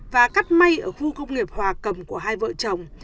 và cắt may ở khu công nghiệp hòa cầm của hai vợ chồng